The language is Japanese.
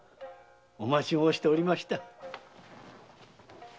お待ち申しておりました。